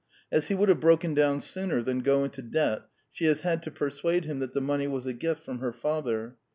As he would have broken down sooner than go into debt, she has had to persuade him that the money was a gift from her father.